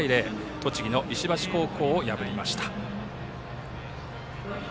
栃木の石橋高校を破りました。